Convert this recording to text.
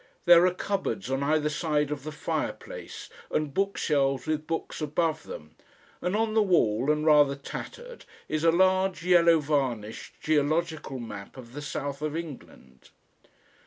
There are cupboards on either side of the fireplace and bookshelves with books above them, and on the wall and rather tattered is a large yellow varnished geological map of the South of England.